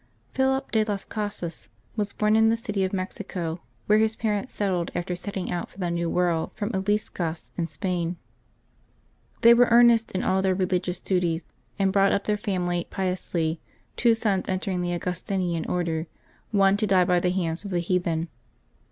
CHiLip DE LAS Casas WHS bom in the city of Mexico, where his parents settled after setting out for the New World from Uleseas in Spain. They were earnest in all their religious duties and brought up their family piously, two sons entering the Augustinian Order, one to die by the hands of the heathen.